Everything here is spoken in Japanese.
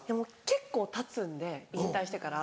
結構たつんで引退してから。